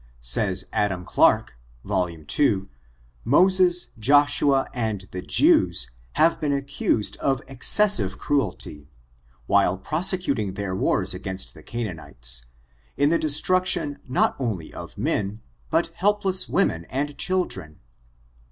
Says Adam Clarke, voL ii, Coll. 641 : Moses, Joshua, and the Jews, have been accused of excessive cmelty, while prosecuting their wars against the Canaanites, in the destmctioii of not only men, but helpless women and children.